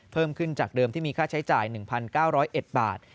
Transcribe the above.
เพิ่มขึ้นจากเดิมที่มีค่าใช้จ่าย๑๙๐๑บาท